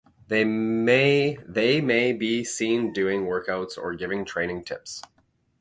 They may be seen doing workouts or giving training tips.